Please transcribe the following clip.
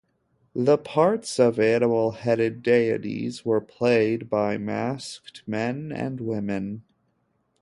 The parts of animal-headed deities were played by masked men and women.